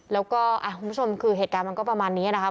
แล้วก็คุณผู้ชมคือเหตุการณ์มันก็ประมาณนี้นะครับ